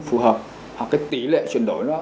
phù hợp hoặc cái tỉ lệ chuyển đổi nó